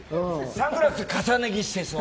サングラス重ね着してそう。